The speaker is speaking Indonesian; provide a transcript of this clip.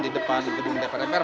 di depan gedung dpr mpr